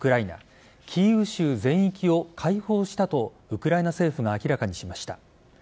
キーウ州全域を解放したとウクライナ政府が明らかにしました。